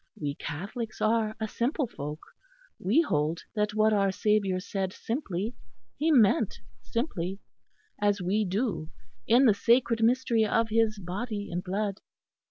We Catholics are a simple folk. We hold that what our Saviour said simply He meant simply: as we do in the sacred mystery of His Body and Blood.